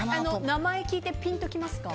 名前を聞いてピンときます？